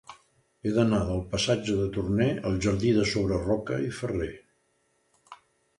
He d'anar del passatge de Torné al jardí de Sobreroca i Ferrer.